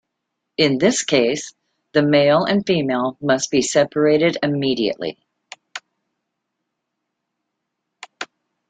In this case, the male and female must be separated immediately.